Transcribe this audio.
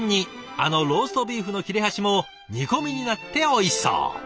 あのローストビーフの切れ端も煮込みになっておいしそう。